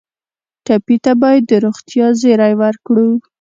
ټپي ته باید د روغتیا زېری ورکړو.